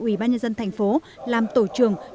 ubnd thành phố làm tổ trường